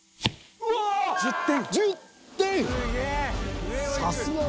１０点。